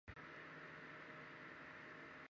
そこに痺れる憧れる